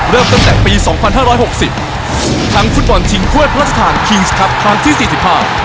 เริ่มตั้งแต่ปี๒๕๖๐ทั้งฟุตบอลทิ้งควดพระศาลคิงส์คลับครั้งที่๔๕